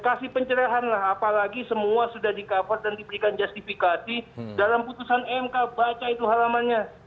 kasih pencerahan lah apalagi semua sudah di cover dan diberikan justifikasi dalam putusan mk baca itu halamannya